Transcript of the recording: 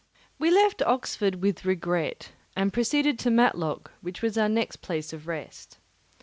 We left Oxford with regret and proceeded to Matlock, which was our next place of rest.